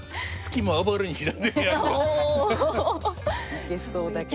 いけそうだけどな。